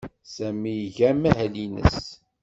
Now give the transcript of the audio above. Sami iga amahil-nnes.